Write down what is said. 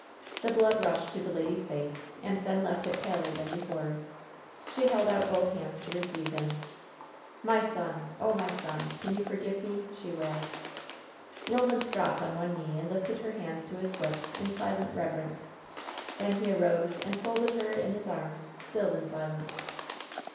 The blood rushed to the lady's face, and then left it paler than before. She held out l)oth hands to receive kim. WHEN SHADOWS DDE 278 "My son ! Oh, my son ! Can you forgive me ?" she wailed. Eoland dropped on one knee and lifted her hands to his lips, in silent reverence. Then he arose and folded her in his arms, still in silence.